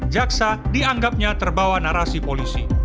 jaksa dianggapnya terbawa narasi polisi